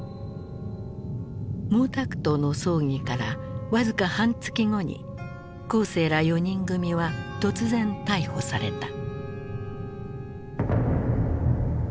毛沢東の葬儀から僅か半月後に江青ら四人組は突然逮捕された。